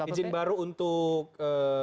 izin baru untuk